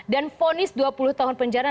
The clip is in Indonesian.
dan fonis dua puluh tahun penjara